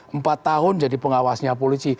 empat tahun jadi pengawasnya polisi